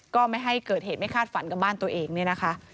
ก็ไม่ให้เกิดเหตุไม่คาดฝันกับบ้านตัวเองเนี่ยนะคะ